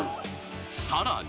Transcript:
［さらに］